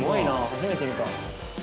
初めて見た。